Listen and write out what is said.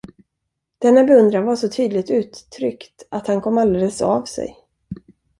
Denna beundran var så tydligt uttryckt, att han kom alldeles av sig.